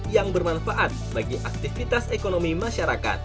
yang bermanfaat bagi aktivitas ekonomi masyarakat